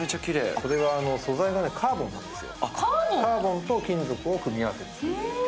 これは素材がカーボンなんです、カーボンと金属を組み合わせて。